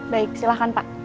baik silahkan pak